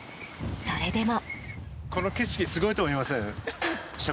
それでも。